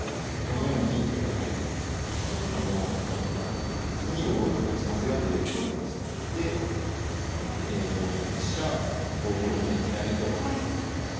４四銀とやはり次に５五歩と打ちますよという手を指してきて５八飛車５五銀左と。